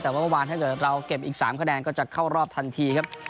แต่ว่าวันถ้าเก็บอีก๓คะแนนก็จะเข้ารอบทันทีครับ